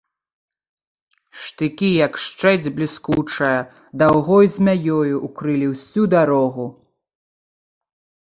Штыкі, як шчэць бліскучая, даўгой змяёю ўкрылі ўсю дарогу.